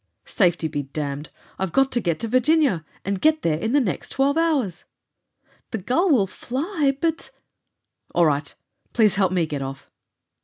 "Safety be damned! I've got to get to Virginia, and get there in the next twelve hours!" "The Gull will fly, but " "All right. Please help me get off!"